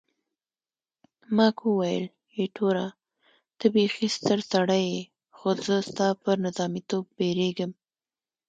مک وویل، ایټوره ته بیخي ستر سړی یې، خو زه ستا پر نظامیتوب بیریږم.